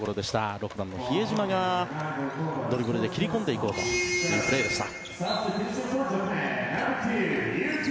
６番の比江島がドリブルで切り込んでいこうというプレーでした。